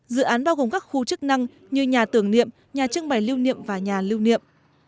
dự án bao gồm các khu chức năng như nhà tưởng niệm nhà trưng bày lưu niệm và nhà lưu niệm